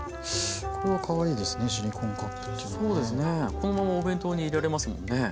このままお弁当に入れられますもんね。